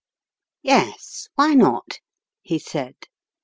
"Yes, why not?" he said.